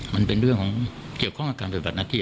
มันเป็นเรื่องของเกี่ยวข้องกับการปฏิบัติหน้าที่